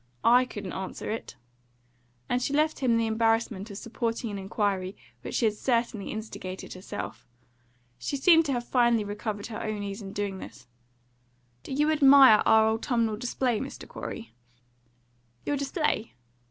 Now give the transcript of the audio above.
"I couldn't answer it," and she left him the embarrassment of supporting an inquiry which she had certainly instigated herself. She seemed to have finally recovered her own ease in doing this. "Do you admire our autumnal display, Mr. Corey?" "Your display?"